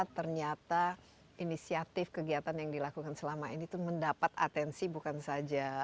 ternyata inisiatif kegiatan yang dilakukan selama ini itu mendapat atensi bukan saja